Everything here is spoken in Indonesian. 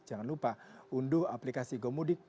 jangan lupa unduh aplikasi gomudik di playstore